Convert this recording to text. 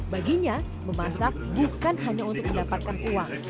baginya memasak bukan hanya untuk mendapatkan uang